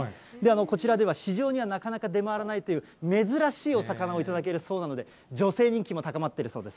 こちらでは、市場にはなかなか出回らないという珍しいお魚を頂けるそうなので、女性人気も高まっているそうです。